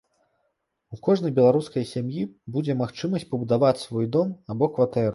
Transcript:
У кожнай беларускай сям'і будзе магчымасць пабудаваць свой дом або кватэру.